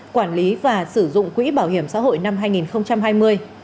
quản lý và sử dụng quỹ bảo hiểm xã hội năm hai nghìn hai mươi